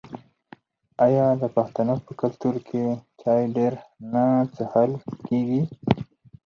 آیا د پښتنو په کلتور کې چای ډیر نه څښل کیږي؟